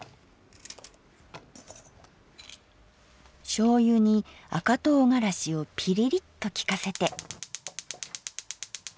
醤油に赤とうがらしをピリリと利かせて。